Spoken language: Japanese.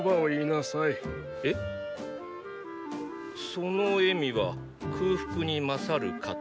その笑みは空腹に勝る糧。